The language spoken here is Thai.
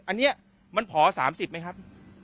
อันนี้มันพอ๓๐ไหมครับ